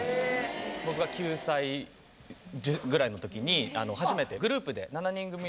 僕が９歳ぐらいの時に初めてグループで７人組のグループで。